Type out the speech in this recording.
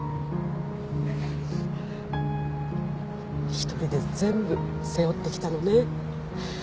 ⁉１人で全部背負ってきたのね